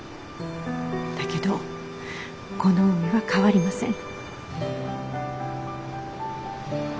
だけどこの海は変わりません。